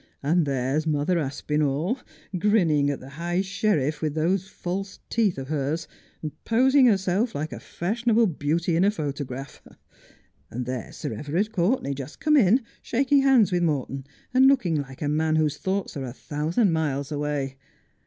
And there's Mother Aspinall, grinning at the high sheriff, with those false teeth of hers, and posing herself like a fashionable beauty in a photograph. And there's Sir Everard Courtenay just come in, shaking hands with Morton, and looking like a man whose thoughts are a thousand miles away.